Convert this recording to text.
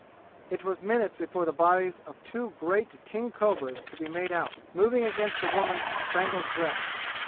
It was minutes before the bodies of two great king cobras could be made out, moving against the woman's spangled dress.